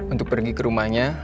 untuk pergi ke rumahnya